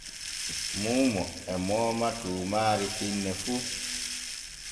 Muumo e mooma tuumaari finne fu.